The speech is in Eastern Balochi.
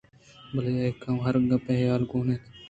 بِلّے آکیت ہرگپے حالے گون اِنت